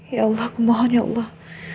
ya allah aku mohon ya allah